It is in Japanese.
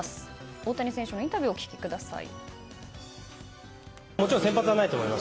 大谷選手のインタビューお聞きください。